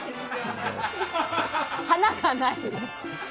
華がない。